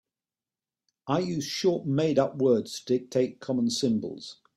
I use short made-up words to dictate common symbols.